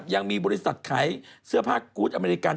ยังมีบริษัทขายเสื้อผ้ากูธอเมริกัน